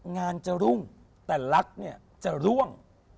งานจะรุ่งแต่รักเนี่ยจะร่วง